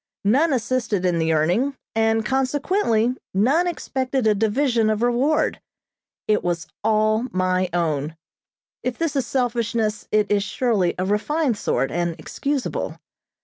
None assisted in the earning, and consequently none expected a division of reward. It was all my own. If this is selfishness, it is surely a refined sort, and excusable.